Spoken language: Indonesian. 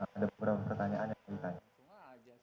ada beberapa pertanyaan yang ditanya